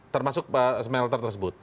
termasuk smelter tersebut